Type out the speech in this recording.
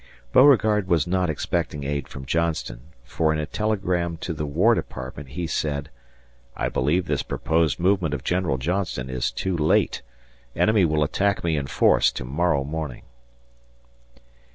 Beauregard was not expecting aid from Johnston, for in a telegram to the War Department he said, "I believe this proposed movement of General Johnston is too late. Enemy will attack me in force to morrow morning."